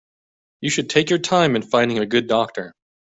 You should take your time in finding a good doctor.